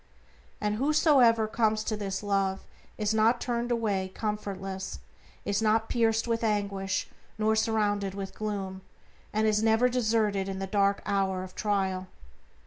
And whosoever comes to this Love is not turned away comfortless, is not pierced with anguish nor surrounded with gloom; and is never deserted in the dark hour of trial.